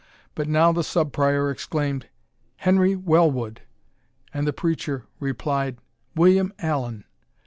But now the Sub Prior exclaimed, "Henry Wellwood!" and the preacher replied, "William Allan!"